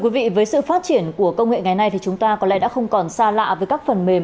với sự phát triển của công nghệ ngày nay chúng ta có lẽ đã không còn xa lạ với các phần mềm